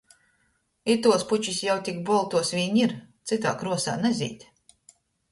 Ituos pučis jau tik boltuos viņ ir, cytā kruosā nazīd!